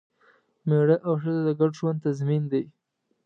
مېړه او ښځه د ګډ ژوند تضمین دی.